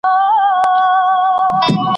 کاغذ او قلم تل د لاسرسي وړ دي.